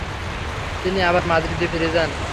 তিনি আবার মাদ্রিদে ফিরে যান।